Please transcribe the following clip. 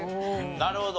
なるほど。